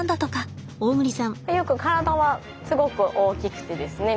ユウ君体はすごく大きくてですね